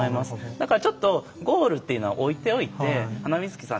だからちょっとゴールっていうのは置いておいてハナミズキさん